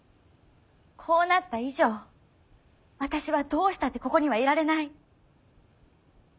こうなった以上私はどうしたってここにはいられない。